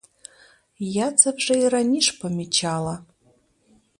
Я це вже й раніш помічала.